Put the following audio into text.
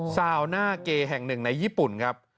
ซาวน่าเกแห่งหนึ่งในญี่ปุ่นครับ